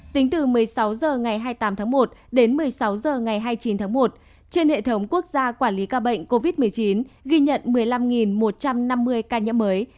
tính từ một mươi sáu h ngày hai mươi tám tháng một đến một mươi sáu h ngày hai mươi chín tháng một trên hệ thống quốc gia quản lý ca bệnh covid một mươi chín ghi nhận một mươi năm một trăm năm mươi ca nhiễm mới